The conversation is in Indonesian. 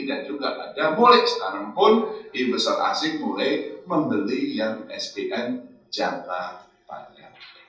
dan juga pada mulai sekarang pun investor asing mulai membeli yang spn jangka panjang